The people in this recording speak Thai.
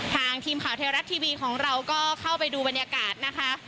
ทีมข่าวไทยรัฐทีวีของเราก็เข้าไปดูบรรยากาศนะคะ